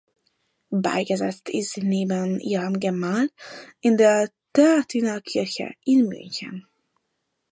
Beigesetzt ist sie neben ihrem Gemahl in der Theatinerkirche in München.